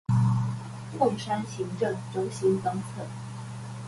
鳳山行政中心東側